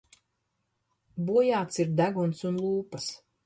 Bojāts ir deguns un lūpas.